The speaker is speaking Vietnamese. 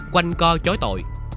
quanh co chối tội